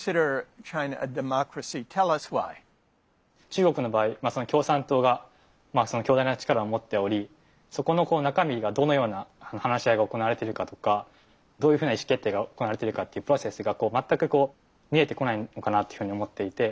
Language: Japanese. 中国の場合共産党が強大な力を持っておりそこの中身がどのような話し合いが行われてるかとかどういうふうな意思決定が行われてるかっていうプロセスが全くこう見えてこないのかなっていうふうに思っていて。